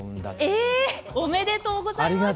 えおめでとうございます。